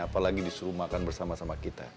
apalagi disuruh makan bersama sama kita